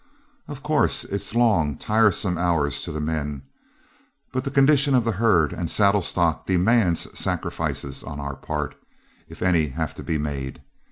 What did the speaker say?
Of course, it's long, tiresome hours to the men; but the condition of the herd and saddle stock demands sacrifices on our part, if any have to be made.